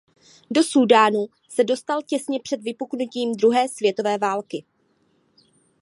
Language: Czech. Do Súdánu se dostal těsně před vypuknutím druhé světové války.